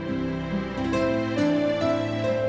ya kita ke sekolah